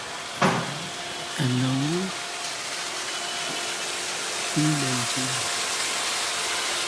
Co-ops have a broad base and connection to community in the Philadelphia area.